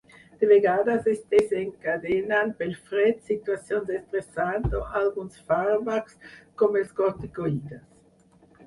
De vegades es desencadenen pel fred, situacions estressants o alguns fàrmacs, com els corticoides.